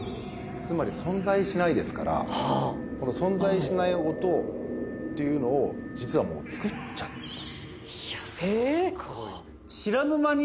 つまり存在しないですから、この存在しない音っていうのを、実はもう、作っちゃったと。